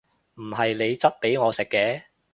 唔係你質俾我食嘅！